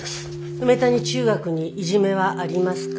梅谷中学にいじめはありますか？